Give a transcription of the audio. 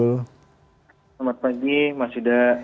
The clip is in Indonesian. selamat pagi mas huda